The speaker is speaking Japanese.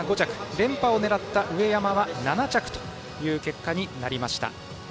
連覇を狙った上山は７着という結果になりました。